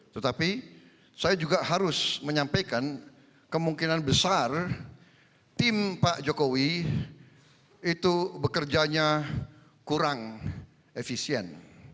tetapi saya juga harus menyampaikan kemungkinan besar tim pak jokowi itu bekerjanya kurang efisien